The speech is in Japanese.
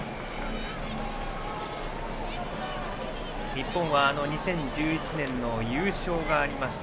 日本は２０１１年の優勝がありました。